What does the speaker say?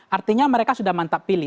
artinya mereka sudah mantap pilih